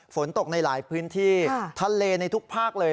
ฝนตกในหลายพื้นที่ทะเลในทุกภาคเลย